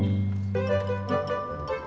ya udah oke